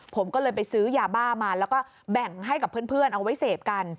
ผมก็เลยไปซื้อยาบ้ามาแล้วก็แบ่งให้กับเพื่อนเอาไว้เสพกัน